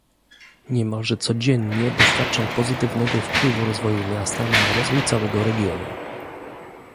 Niemalże codziennie doświadczam pozytywnego wpływu rozwoju miasta na rozwój całego regionu